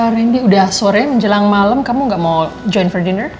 randy udah sore menjelang malem kamu gak mau join for dinner